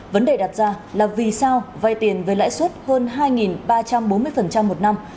vấn đề đặt ra là vì sao vay tiền với lãi suất hơn hai ba trăm bốn mươi một năm